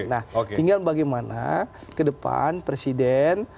nah tinggal bagaimana ke depan presiden